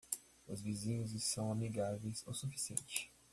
Os vizinhos são amigáveis o suficiente.